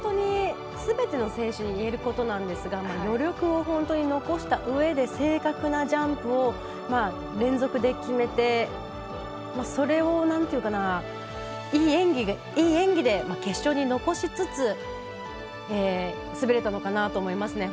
すべての選手にいえることですが余力を残したうえで正確なジャンプを連続で決めてそれで、いい演技で決勝に残しつつ滑れたのかなと思います。